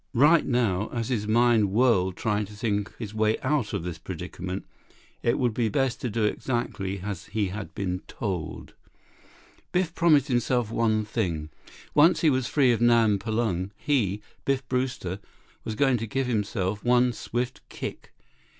Right now, though, as his mind whirled trying to think his way out of this predicament, it would be best to do exactly as he had been told. Biff promised himself one thing. Once he was free of Nam Palung he, Biff Brewster, was going to give himself, Biff Brewster, one swift kick.